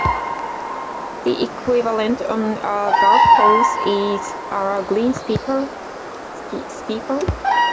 The equivalent on a golf course is a greenskeeper.